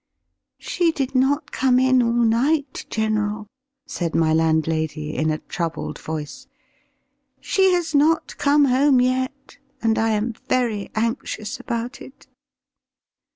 "She did not come in all night, general," said my landlady, in a troubled voice. "She has not come home yet, and I am very anxious about it."